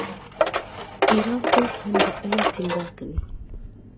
ایران اوس هم په علم ټینګار کوي.